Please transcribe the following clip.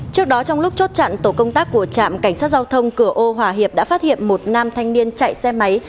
trước đó trong lúc chốt chặn tổ công tác của trạm cảnh sát giao thông cửa ô hòa hiệp đã phát hiện một nam thanh niên chạy xe máy